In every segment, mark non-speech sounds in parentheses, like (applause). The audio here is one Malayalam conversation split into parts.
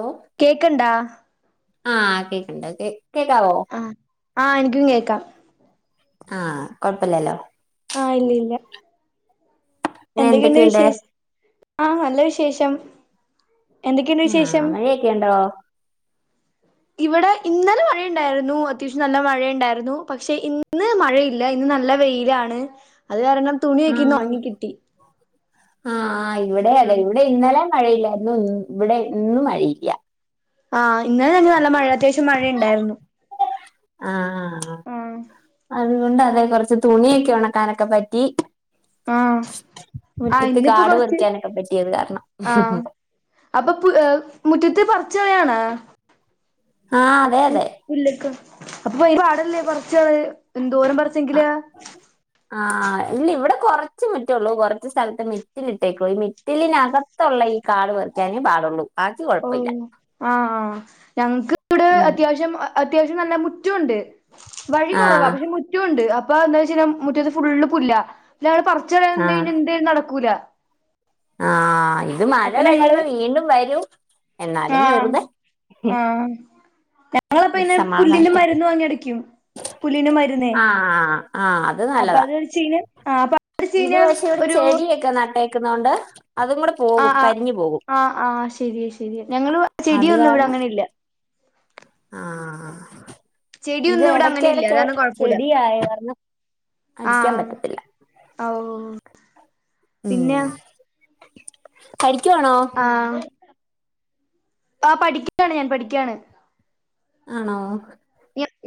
ഓ കേക്ക്ണ്ടാ ആഹ് കേക്കണ്ട് കേ കേക്കാവോ ആ ആ എനിക്കും കേക്കാം ആഹ് കൊഴപ്പില്ലല്ലോ ആഹ് ഇല്ല ഇല്ല എന്തൊക്കെയുണ്ട് വിശേഷ ആഹ് നല്ല വിശേഷം എന്തൊക്കെയ്ണ്ട് ആഹ് വിശേഷം മഴയൊക്കെ ഉണ്ടോ ഇവിടെ ഇന്നലെ മഴയുണ്ടായിരുന്നു അത്യാവശ്യം നല്ല മഴയുണ്ടായിരുന്നു പക്ഷെ ഇന്ന് മഴയില്ല ഇന്ന് നല്ല വെയിലാണ് അ അത് കാരണം തുണിയൊക്കയിന്ന് ആഹ് ഒണങ്ങി കിട്ടി. ആഹ് ആയി ഇവിടെ അതെ ആഹ് ഇവിടെ ഇന്നലെ മഴയില്ലാര്ന്നു ഇവിടെ ഇന്നും മഴയില്ല. ആഹ് ഇന്നലെ തന്നെ നല്ല മഴ അത്യാവശ്യം മഴയിണ്ടായിരുന്നു ആഹ് ത്കൊണ്ട് അതെ കുറച്ച് തുണിയൊക്കെ ഉണക്കാനൊക്കെ പറ്റി ആഹ് ആഹ് മുറ്റത്ത് ഇന്നിപ്പ കാട് കുറച്ച് പറിക്കാനൊക്കെ പറ്റിയത് കാരണം ആഹ് അപ്പൊ മുറ്റത്ത് പറി ച്ചയാണ് ആഹ് അതെ അതെ (unintelligible) പ്പൊയി പാടല്ലേ പറിച്ചളയ് എന്തോരം പറച്ചെങ്കില് ആഹ് ആഹ് ഇല്ലെ ഇവിടെ കൊറച്ച് മുറ്റമൊള്ളൂ കൊറച്ച് സ്ഥലത്ത് മിറ്റലിട്ടേക്കുവാ ഈ മിറ്റലിനകത്തുള്ള ഈ കാട് പറിക്കാനേ പാടുള്ളൂ. ബാക്കി ഓ കുഴപ്പമില്ല ആഹ് ആഹ് ഞങ്ങ്ക് ഇവിടൂ ഉം അത്യാവശ്യം അത്യാവശ്യം നല്ല മുറ്റുംണ്ട് വഴി ആഹ് കുറവാ പക്ഷെ മുറ്റുംണ്ട് അപ്പ എന്താെച്ച മുറ്റത്ത് ഫുള്ള് പുല്ല രൾ പറിച്ച് കളയനിന്ന് ആഹ് കഴിഞ്ഞാൽ എന്താലും നടക്കൂല ആഹ് ഇത് മഴ അപ്പൊ ഞങ്ങള് കഴിയുമ്പോ വീണ്ടും വരും എന്നാലും ആഹ് വെറുതെ ആഹ് ഞങ്ങളപ്പ ഒരു ഇന്നെ പുല്ലിന്റെ സമാധാനത്തിന് മരുന്ന് വാങ്ങി അടിക്കും പുല്ലിന് മരുന്നേ ആഹ് ആഹ് അത് അപ്പൊ നല്ലതാ അത് വെച്ച് കഴിഞ്ഞാ ആഹ് അപ്പൊ അത് വെച്ച് ഇത് കഴിഞ്ഞാ പക്ഷെ ഇവിടെ ഒരു ചെടിയൊക്കെ നട്ടെ ക്ക്ന്നുണ്ട് ആഹ് ആഹ് ആഹ് ആഹ് ശരിയ ശരിയ ഞങ്ങള് അത് ചെടിയൊന്നും ഇവിടെ കാരണം അങ്ങനെല്ല ആഹ് ഇത് ചെടിയൊന്നും ഇവിടെ അങ്ങനെ ഇല്ല എടക്കെടക്ക് അതാണ് കൊഴപ്പൂല്ല ചെടിയായർന്ന് അടിക്കാ ആഹ് പറ്റത്തില്ല ഓ ഉം പിന്നെ (unintelligible) ആഹ് അഹ് പഠിക്കാണ് ഞാൻ പഠിക്ക്യാണ് ആണോ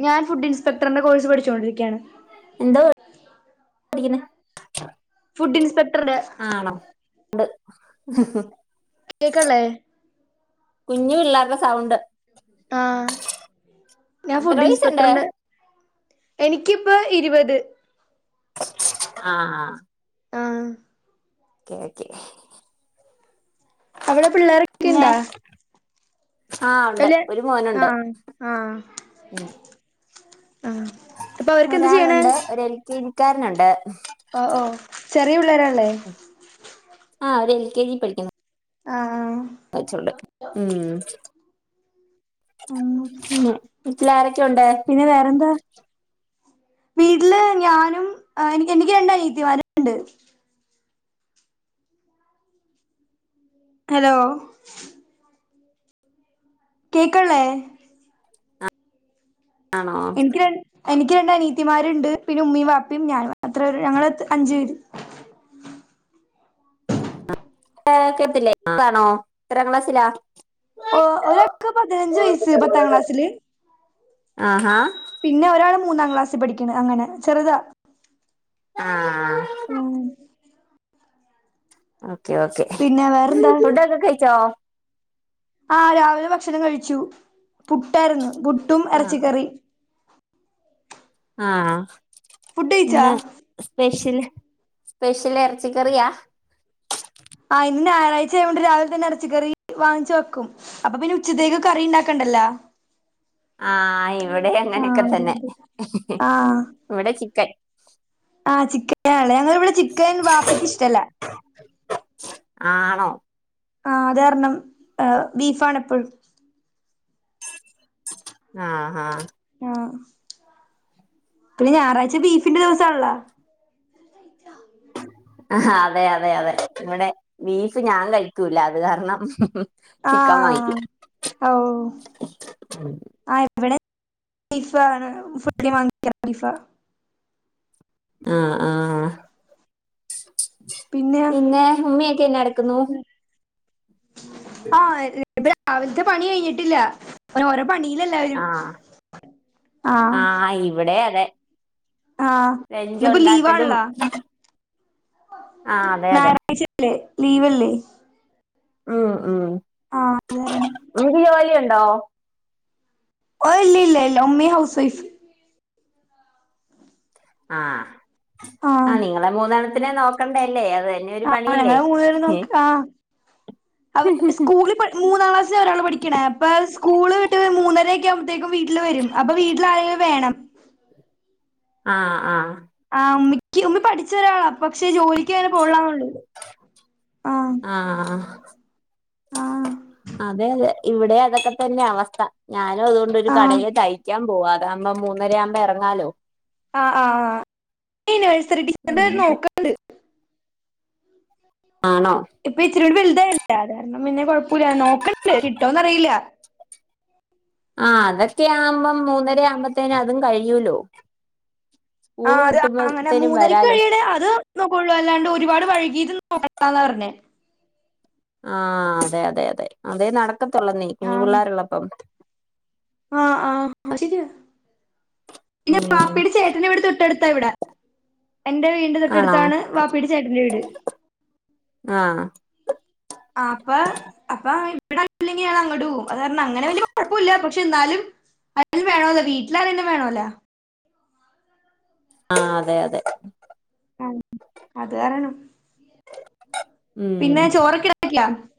ഞാൻ ഫുഡ് ഇൻസ്പെക്ടറിന്റെ കോഴ്സ് പഠിച്ചോണ്ടിരിക്കാണ്. എന്തോ? പഠിക്കുന്നെ ഫുഡ് ഇൻസ്പെക്ടറടെ ആണോ കേക്ണ്ല്ലേ? കുഞ്ഞു പിള്ളാർടെ സൗണ്ട്. ആഹ് ഞാൻ എത്ര ഫുഡ് വയസുണ്ട് ഇൻസ്പെക്ടറുടെ എനിക്ക് ഇപ്പ ഇരുപത്. ആ ആ ആഹ് കെ കെ അവിടെ പിള്ളേരൊക്കെ ഇണ്ടാ? ആഹ് ഉണ്ട് അല്ല ഒരു മോനുണ്ട്. ആഹ് ആഹ് ആഹ് ഇപ്പൊ അവരൊക്കെ എന്താ ചെയ്യണെ? (unintelligible) ക്കാരനുണ്ട്. ഓ ഓ ചെറിയ പിള്ളേരല്ലേ? ആഹ് ഒര് എൽ കെ ജി പഠിക്കുന്നു. ആഹ് ആ. (unintelligible) ഉം. ഉം ഉം ട്ടിലാരെ പിന്നെ വേറെന്താ? വീട്ടില് ഞാനും എനിക്ക് എനിക്ക് രണ്ട് അനിയത്തിമാരുണ്ട്. ഹലോ കേക്ളേ? ആണോ എനിക്ക് രണ് എനിക്ക് രണ്ട് അനിയത്തിമാരുണ്ട്. പിന്നെ ഉമ്മീം വാപ്പിയും ഞാനും അത്ര ഞങ്ങ അഞ്ചു പേര്. ഏ (inaudible) കേകത്തില്ലേ (inaudible) ആണോ എത്രാം ക്ലാസ്സിലാ? ഓ ഒരാൾക്ക് പതിനഞ്ച് വയസ്സ് പത്താം ക്ലാസ്സില്. ആ ഹാ പിന്നെ ഒരാള് മൂന്നാം ക്ലാസ്സിൽ പഠിക്കണ്. അങ്ങനെ ചെറുതാ. ആ ആ ഉം അ ക്കെ ഓക്കെ പിന്നെ വേറെന്താ ഫുഡൊക്കെ കഴിച്ചോ? ആ രാവിലെ ഭക്ഷണം കഴിച്ചു പുട്ടായിരുന്നു. പുട്ടും ആഹ് ഇറച്ചിക്കറി ആ ഫുഡ് കഴിച്ചാ പിന്നെ സ്പെഷ്യൽ സ്പെഷ്യൽ ഇറച്ചിക്കറിയാ ആ ഇന്ന് ഞായറാഴ്ച ആയൊണ്ട് രാവിലെ തന്നെ ഇറച്ച കറി വാങ്ങിച്ച വെക്കും അപ്പൊ പിന്നെ ഉച്ചത്തേക്ക് കറി ഉണ്ടാക്കണ്ടല്ലോ ആ ഇവിടെ അങ്ങനെയൊക്കെ അതെ തന്നെ അതെ ആഹ് ഇവിടെ ചിക്കൻ ആ ചിക്കൻ ആലെ ഞങ്ങ ഇവിടെ ചിക്കൻ വാപ്പിക്ക് ഇഷ്ടല്ലേ ആണോ ആ അത് കാരണം ബീഫാണ എപ്പോഴും ആ ആ ആ പിന്നെ ഞായറാഴ്ച ബീഫിന്റെ ദിവസ ണല്ലോ ആ അതെ അതെ അതെ ഇമ്മടെ ബീഫ് ഞാൻ കഴിക്കൂല അത് കാരണം ചിക്കൻ ആഹ് വാങ്ങിക്കും ഓ ആ ഇവിടെ ബീഫാണ് ഫി വാങ്ങിക്ക ബീഫ ആ ആ പിന്നെ ഉമ്മയൊക്കെ എന്ന എടുക്കുന്നു ആഹ് ബടെ രാവിലത്തെ പണി കഴിഞ്ഞിട്ടില്ല വേറെ ആ ആഹ് ആ ഇവിടെ അതെ ആഹ് ലഞ്ച് ന്നിപ്പ ഉണ്ടാക്കലും ലീവാണല്ലോ ആഹ് അതെ അതെ ഞായറാഴ്ചല്ലേ ലീവല്ലേ മ്മ് മ്മ് ആഹ് അതാരണം നൗ ഓ ഇല്ല ഇല്ല ഇല്ല മമ്മി ഹൗസ് വൈഫ് ആഹ് ആ ആഹ് നിങ്ങളെ മൂത്തണ അതിനെ നോക്കണ്ടല്ലേ തന്നെ ഒരു ആ പണിയല്ലേ ഞങ്ങള് മൂന്നേര് നോക്ക ആ സ്കൂളിൽ മൂന്നാം ക്ലാസ്സിലാ ഒരാള് പഠിക്കണേ അപ്പ സ്കൂള് വിട്ട് മൂന്നരയൊക്കെ ത്തേക്കും വീട്ടില് വരും അപ്പൊ വീട്ടിൽ ആരെലും വേണം ആഹ് ആഹ് ആഹ് ഉമ്മി ക്യ ഉമ്മി പഠിച്ച ഒരാളാ പക്ഷെ ജോലിക്ക് അങ്ങനെ പോണില്ലാന്നെ ഉള്ളു ആഹ് ആ അതെ അതെ ഇവിടെയും അതൊക്കെ തന്നെയാ അവസ്ഥ ഞാനും അതുകൊണ്ടൊരു ആഹ് കടയില് തയ്ക്കാൻ പോ പോവാ അതാവുമ്പം മൂന്നര ആവുമ്പം എറങ്ങാലോ ആ ആ ആ നയ്സറി ഡിഫന്റ് നോക്ണ്ട് ആണോ ഇപ്പൊ ഇച്ചിരൂടെ വലുതായില്ലേ ആള് അതോണ്ട് പിന്നെ കൊഴപ്പുല്ല നോക്കണ്ട് കിട്ടോന്ന് അറിയില്ല ആ അതൊക്കെ ആവുമ്പം മൂന്നര ആവുമ്പത്തേന് അതും കഴിയൂല്ലോ ആ അത് അങ്ങനെ മൂന്നരക്ക് കഴിയണേ അത് നോക്കുള്ളു അല്ലാണ്ട് ഒരുപാട് വൈകീത് നോക്കണ്ടാന്ന പറഞ്ഞ് ആ അതെ അതെ അതെ അതെ നട ക്കത്തൊള്ളന്നേ ആ കുഞ്ഞു പിള്ളേരുള്ളപ്പം ആ ആ അഹ് ശെരിയാ പിന്നെ ഉം വാപ്പയുടെ ചേട്ടനിവിടെ തൊട്ടടു ത്ത ഇവിടെ എന്റെ വീടിന്റെ ആണോ തൊട്ടടുത്താണ് വാപ്പീടെ ചേട്ടന്റെ വീട് ആ ആ അപ്പൊ അപ്പൊ ഇവിടെ ആരുല്ലെങ്കി ഞാൻ അങ്ങട്ട് പോകും അത് കാരണം അങ്ങനെ വലിയ കുഴപ്പുല്ല പക്ഷെ എന്നാലും ആരെങ്കിലും വേണല്ലോ വീട്ടില് ആരെങ്കിലും വേണല്ലോ ആ അതെ അതെ ഉം അത് കാരണം ഉം പിന്നെ ചോറൊക്കെ (unintelligible)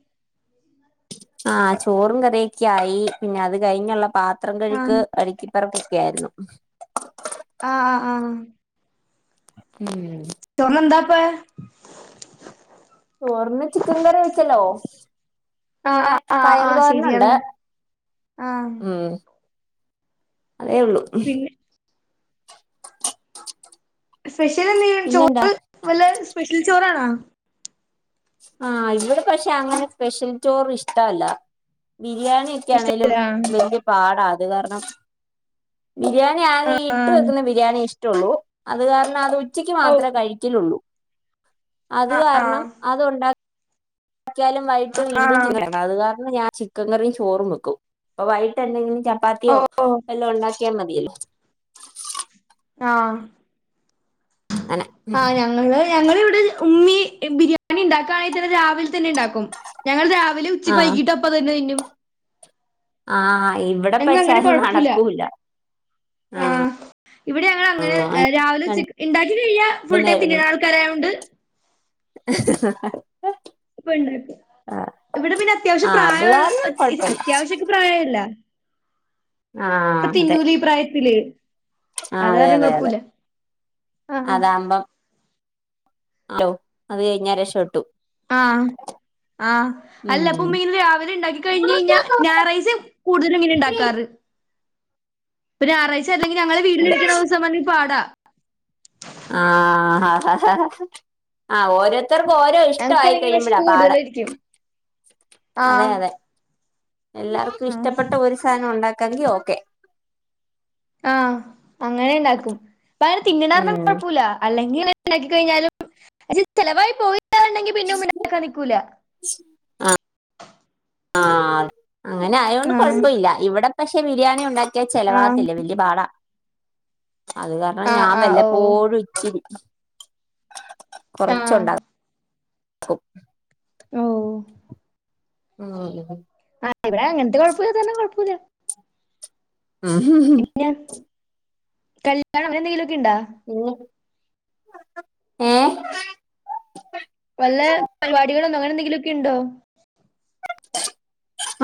ആ ചോറും കറിയൊക്കെ ആയി പിന്നെ അത് കഴിഞ്ഞുള്ള പാ പാത്രം ആ കഴുക്ക് അടുക്കി പെറു ക്കെയായിരുന്നു ആ ആ ആ ഉം ഉ ചോറിനെന്താ ചോറിന് ചിക്കൻ കറി വെച്ചല്ലോ ആ പിന്നെ ആ ആ ആ പയറ് തോരന്ണ്ട് ശരിയാണ് ആ ഉം അതേ ഒള്ളു പിന്നെ സ്പെഷ്യല് എന്തെങ്കിലും പിന്നെന്താ ചോറ് വെല്ല സ്പെഷ്യൽ ചോറാണോ ആ ഇവിടെ പക്ഷെ അങ്ങനെ സ്പെഷ്യൽ ചോറ് ഇഷ്ടല്ല ബിരിയാണി ഒക്കെ ആണെലും ഇഷ്ടല്ലാ വലിയ പാടാ അത് കാരണം ബിരിയാണി ആകെ ഈ ഇട്ട് വെക്കുന്ന ബിരിയാണി ഷ്ടം ഒള്ളൂ അത് കാര്ണം അത് ഉച്ചക്ക് ഓ മാത്രമേ കഴിക്കലൊള്ളൂ അത് ആഹ് കാരണം ആഹ് അതൊണ്ട് ആക്കിയാലും വൈകിട്ട് വീണ്ടും ആഹ് (unintelligible) അത് കാരണം ഞാ ചിക്കൻ കറിയും ചോറും വെക്കും അപ്പ വൈകിട്ട എന്തെങ്കിലും ഓ ചപ്പാത്തിയോ വെല്ലോ ഒണ്ടാക്കിയ ക്കിയ മതിയല്ലോ ആ അങ്ങനെ ആ ഞങ്ങള് ഞങ്ങടെവിടെ ഉമ്മി ബിരിയാണി ഇണ്ടാക്കണെങ്കി തന്നെ രാവിലെ തന്നെ ഇണ്ടാക്കും ഞങ്ങള് രാവി രാവിലെ ഉച്ചക്ക് വൈകിട്ട് അപ്പം അത് തന്നെ തിന്നും ആഹ്‌ ഞങ്ങള് അങ്ങനെ കൊഴപ്പില്ല ആ ആഹ് ഇവിടെ ഞങ്ങളങ്ങനെ രാവിലെ ഉച്ചക്ക് രണ്ടു ഉണ്ടാക്കി കഴിഞ്ഞാൽ ഫുൾടൈം നേരം ഒന്നും തിന്നുന്ന ആൾക്കാരായോണ്ട് ഉപ്പായുണ്ടാക്കും ഇവിടെ പിന്നെ അത്യാവശ്യം ആഹ് അത് പ്രായമൊള്ള കാരണം കൊഴപ്പല്ല അത്യാവശ്യക്ക്‌ പ്രായമില്ല ഇപ്പൊ ആഹ് അതെ തിന്നൂലേ ഈ പ്രായത്തില് ആ അത് അതെ കാരണം അതെ അതെ കൊഴപ്പല്ല ആഹ് അതാവുമ്പം ലോ അത് കഴിഞ്ഞ രക്ഷപ്പെട്ടു ആ ആ ഉം അല്ലപ്പൊ ഉമ്മി രാവിലെ ഉണ്ടാക്കി കഴിഞ്ഞ് കഴിഞ്ഞാ ഞായറാഴ്ച്ച കൂടുതലും ഉമ്മി ഉണ്ടാക്കാറ് ഒരു ഞായറാഴ്ച്ച അല്ലെങ്കി ഞങ്ങള് വീട്ടിലിരിക്കുന്ന ദിവസം പാടാ ആഹ് ആ ആഹ് ഹ് ആ ഓരോ ത്തർക്കും ഓരോ ഇഷ്‌ടായി ഞങ്ങക്കാണെങ്കിൽ കഴിയുമ്പോഴാ വെശപ്പ് പാട് കൂടുതലായിരിക്കും അതെ ആഹ് അതെ എല്ലാർക്കും ആഹ് ഇഷ്ടപ്പെട്ട ഒരു സാധനം ഒണ്ടാക്കാങ്കി ഓക്കെ ഇപ്പ അവര് തിന്ന്ണാരണം ഉം കൊയപ്പില്ല അല്ലങ്കി ഇങ്ങനെ ഉണ്ടാക്കി കഴിഞ്ഞാലും ചെലവായി പോയി ണ്ടെങ്കി (unintelligible) നിക്കൂല ആഹ് അങ്ങനെ ആയോണ്ട് ആഹ് കൊഴപ്പില്ല ഇവിടെ പക്ഷെ ബിരിയാണി ഉണ്ടാ ക്കിയാ ആഹ് ചെലവാവത്തില്ല വല്യ പാടാ അത് കാരണം ആഹ് ഞാൻ ആഹ് ഓഹ് വല്ലപ്പോഴും ഇച്ചിരി ആഹ് കൊറച്ചുണ്ടാ ക്കും ഓഹ് മൂ ഇവ്ടെ അങ്ങനത്തെ (inaudible) ഒന്നും നോക്കിയില്ല മ് ഹും ഹ് കല്യാണം അങ്ങനെ എന്തെങ്കിലും ഇല്ല ഏഹ് വല്ലെ പരിപാടികളു അങ്ങനെ എന്തെങ്കിലൊക്കെ ഉണ്ടോന്ന്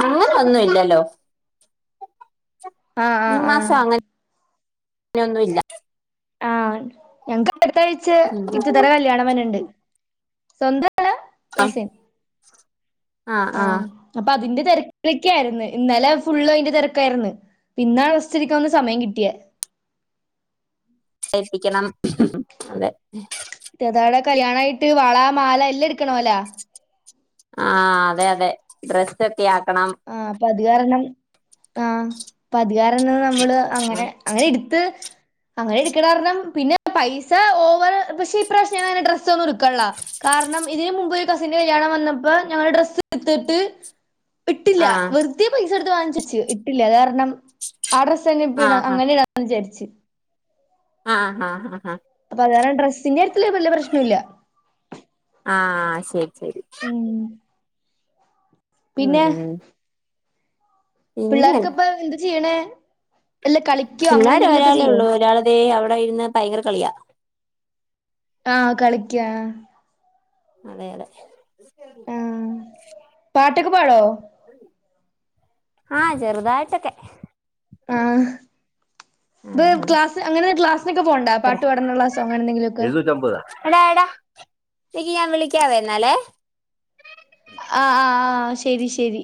അങ്ങനൊന്നും ഇല്ലല്ലോ ആ ആഹ് ആ ഞാനും ഇല്ല ആഹ് ഞങ്ങക്ക്‌ അടുത്താഴ്ച്ച ഇത്തത്താന്റെ കല്യാണം വാര്ണ്ന്ന്ണ്ട് സ്വന്ത ണോ കസിൻ ആഹ് അപ്പൊ അതിന്റെ തിരകിലൊക്കെ ആരുന്നു ഇന്നലെ ഫുള്ള് അയിന്റെ തിരക്കാരുന്നു ഇന്നാ റസ്റ്റ്‌എടുക്കാൻ ഒരു സമയം കിട്ടിയെ തൈപ്പിക്കണം അതെ ദേജോളാ കല്യാണായിട്ട് വള മാല എല്ലാം എട് ക്കണോല ആഹ് അതെ അതെ ഡ്രസ്സ് ആക്കണം ആഹ് അപ്പൊ അത് കാരണം ആഹ് പ്പത് കാരണം ഞാൻ മ്മള് അങ്ങനെ അങ്ങനെ എടുത്ത് അങ്ങനെ എടുക്കണ കാരണം പിന്നെ പൈസ ഓവറ് പക്ഷെ ഇപ്രാവിശ്യം ഞങ്ങളങ്ങനെ ഡ്രസ്സ് ഒന്നും എട്ക്കണ്ല്ല കാരണം ഇതിനന് മുമ്പ് ഒരു കസിന്റെ കല്യാണം വന്നപ്പോ ഞങ്ങള് ഡ്രസ്സ് എടുത്തിട്ട് ഇട്ടില്ല ആ വെറുതേ പൈസ പൈസ കൊടുത്ത് വങ്ങിച്ചിച്ച് ഇട്ടില്ല വേറേ നാം ആ ഡ്രസ്സ് തന്നെ ആ ഇപിടം അങ്ങനെയാന്ന് വിചാരിച്ച് ആഹാ ആ ഹ അപ്പൊ അത് കാരണം ഡ്രെസിന്റെ കാര്യത്തിൽ വലിയ പ്രശ്നം ഇല്ല ആ ആ ശരി ശരി ഉം ഉം ഉം പിള്ളേരൊക്കെ ഇപ്പോ എ ന്താ ചെയ്യണേ വല്ല കളിക്കോ അങ്ങനെ പിള്ളാര് എന്തെങ്കിലുമൊക്കെ ഒരാളെ ചെയ്യോ ഉള്ളൂ ഒരാള് ഇതേ അവിടെ ഇരുന്ന് ഭയങ്കര കളിയാ ആ കളി ക്കെയാ അതെ അതെ പാട്ടക്കോ പാടോ ആ ചെറുതായിട്ടൊക്കെ ആ ആ ഇപ്പ ആ ക്ലാസ് അങ്ങനെ ക്ലാസ്സിനൊക്കെ പോണ്ണ്ട അത്ര പാട്ട് പാടാനുള്ള സോ അങ്ങനെ എന്തെങ്കിലും ഒക്കെ എഴുന്നൂറ്റമ്പതാ എടാ എടാ എനിക്ക് ഞാൻ വിളിക്കാവേന്നാല്ലേ ആ ആഹ് ആ ആ ശരി ശരി